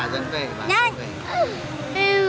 đứng lên đi về với mẹ